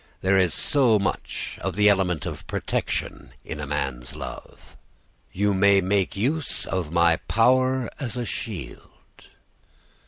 There is so much of the element of protection in a man's love! "'You may make use of my power as a shield!